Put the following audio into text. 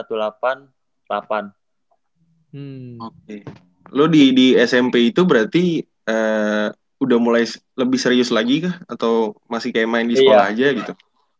lo di smp itu berarti udah mulai lebih serius lagi kah atau masih kayak main di sekolah aja gitu